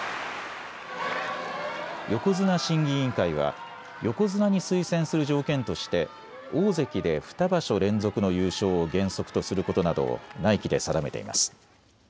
横綱審議委員会は横綱に推薦する条件として大関で２場所連続の優勝を原則とすることなどを内規で定めています。